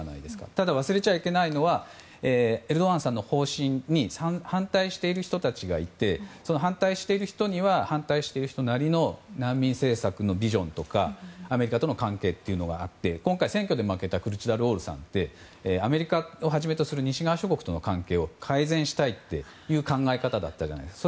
ただ、忘れちゃいけないのはエルドアンさんの方針に反対している人がいてその人たちにはその人たちなりの難民政策のビジョンとかアメリカとの関係があって今回、選挙で負けたクルチダルオールさんってアメリカをはじめとする西側諸国との関係を改善したいという考え方だったじゃないですか。